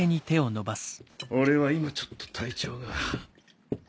俺は今ちょっと体調が。